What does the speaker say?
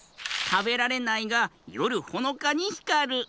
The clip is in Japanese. たべられないがよるほのかにひかる。